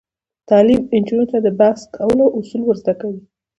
تعلیم نجونو ته د بحث کولو اصول ور زده کوي.